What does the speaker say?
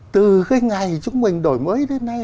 từ cái ngày chúng mình đổi mới đến nay